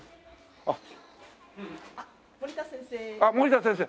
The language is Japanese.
あっ森田先生。